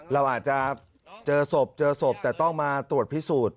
เราอาจจะเจอศพเจอศพแต่ต้องมาตรวจพิสูจน์